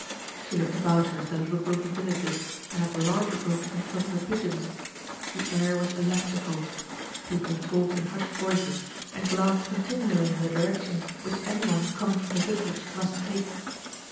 She looked about her at the little groups of villagers, and at the larger group in front of The Pigeons. The air was electrical. People talked in hushed voices, and glanced continually in the direction which any one com ing from the vicarage must take.